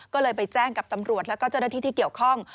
ก็เลยไปแจ้งกับตำรวจแล้วก็เจ้าหน้าที่ที่เกี่ยวข้อง